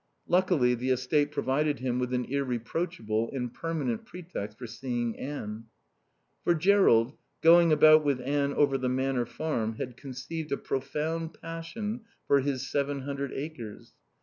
Luckily the estate provided him with an irreproachable and permanent pretext for seeing Anne. For Jerrold, going about with Anne over the Manor Farm, had conceived a profound passion for his seven hundred acres.